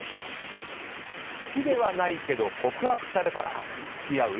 好きではないけど告白されたら付き合う？